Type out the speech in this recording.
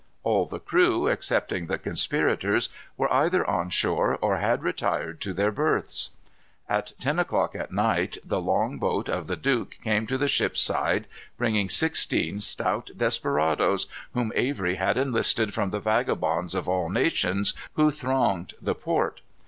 All the crew, excepting the conspirators, were either on shore or had retired to their berths. At ten o'clock at night the long boat of the Duke came to the ship's side, bringing sixteen stout desperadoes, whom Avery had enlisted from the vagabonds of all nations who thronged the port.